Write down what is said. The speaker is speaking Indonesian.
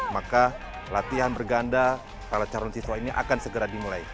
maka latihan berganda para calon siswa ini akan segera dimulai